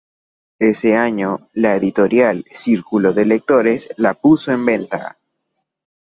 Ese año, la editorial Círculo de Lectores la puso en venta.